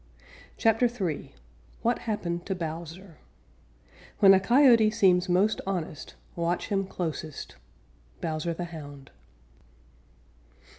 CHAPTER III WHAT HAPPENED TO BOWSER When a Coyote seems most honest, watch him closest. _Bowser the Hound.